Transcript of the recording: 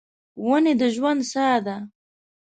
ونې د ژوند ساه ده.